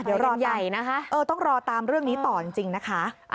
เดี๋ยวรอตามต้องรอตามเรื่องนี้ต่อจริงนะคะไปกันใหญ่นะคะ